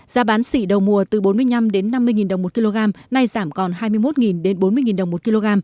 giá bán xỉ đầu mùa từ bốn mươi năm năm mươi đồng một kg nay giảm còn hai mươi một đến bốn mươi đồng một kg